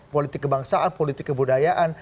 politik kebangsaan politik kebudayaan